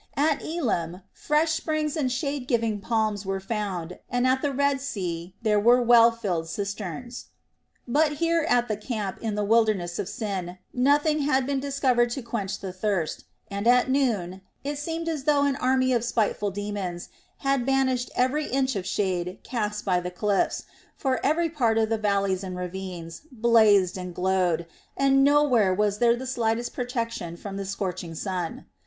At Elim fresh springs and shade giving palms were found, and at the Red Sea there were well filled cisterns; but here at the camp in the wilderness of Sin nothing had been discovered to quench the thirst, and at noon it seemed as though an army of spiteful demons had banished every inch of shade cast by the cliffs; for every part of the valleys and ravines blazed and glowed, and nowhere was there the slightest protection from the scorching sun.